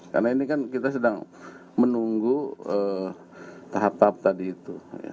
karena ini kan kita sedang menunggu tahap tahap tadi itu